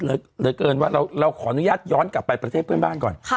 เราขออนุญาตย้อนกลับไปประเทศเพื่อนบ้านก่อน